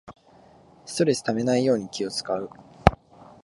ストレスためないように気をつかう